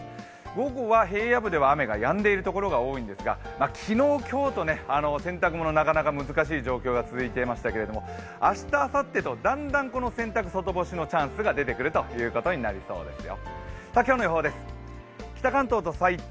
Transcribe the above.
午後は平野部では雨がやんでいるところが多いんですが、昨日今日と洗濯物、なかなか難しい状況続いていましたけれども明日、あさってとだんだん洗濯外干しのチャンスが出てくるということになりそうですよ。